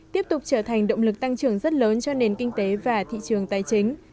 tiếp tục trở thành động lực tăng trưởng rất lớn cho nền kinh tế và thị trường tài chính